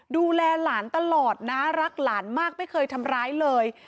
ดูแลหลานตลอดนะรักหลานมากไม่เคยทำร้ายเลย